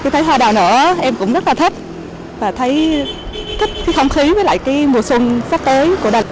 thấy hoa đào nở em cũng rất là thích và thấy thích cái không khí với lại cái mùa xuân sắp tới của đà lạt